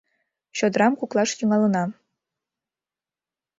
— Чодырам куклаш тӱҥалына.